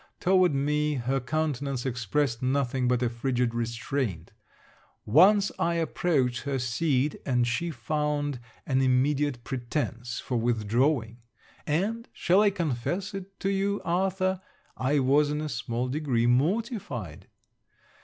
Toward me, her countenance expressed nothing but a frigid restraint. Once I approached her seat, and she found an immediate pretence for withdrawing; and, shall I confess it to you, Arthur, I was in a small degree mortified.